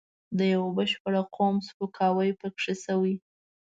د یوه بشپړ قوم سپکاوی پکې شوی.